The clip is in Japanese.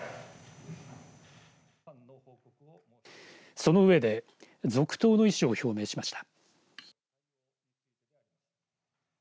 その上で続投の意思を表明しました。